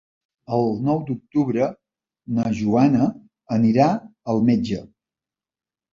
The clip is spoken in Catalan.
El nou d'octubre na Joana anirà al metge.